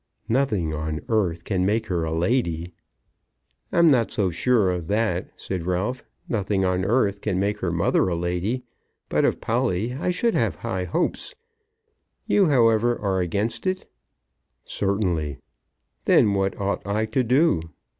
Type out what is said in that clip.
"Nothing on earth can make her a lady." "I'm not so sure of that," said Ralph. "Nothing on earth can make her mother a lady; but of Polly I should have hopes. You, however, are against it?" "Certainly." "Then what ought I to do?"